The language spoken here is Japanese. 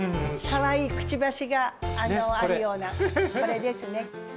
かわいいくちばしがあるようなこれですね。